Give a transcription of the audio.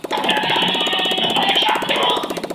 بس دده ګناه همدا وه چي غویی وو